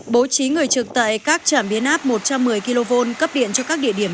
bố trí người trực tại các trảm biến áp một trăm một mươi kv cấp điện cho các địa điểm